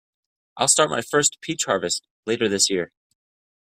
I'll start my first peach harvest later this year.